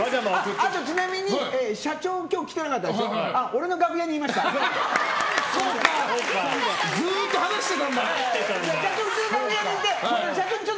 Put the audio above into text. あと、ちなみに社長が今日来てなかったでしょう。